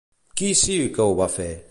Qui sí que ho va fer?